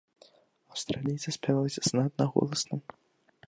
Аўстралійцы спяваюць занадта голасна.